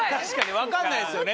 分かんないですよね。